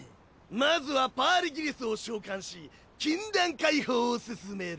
まずはパーリギリスを召喚し禁断解放を進める。